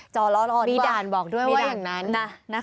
จอร้อนดีกว่ามีด่านบอกด้วยว่าอย่างนั้นนะคะมีด่านบอกด้วยว่าอย่างนั้น